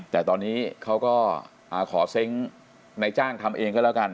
แต่ตอนนี้เขาก็ขอเซ้งในจ้างทำเองก็แล้วกัน